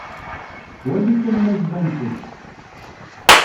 Wali kan ma jbant-d.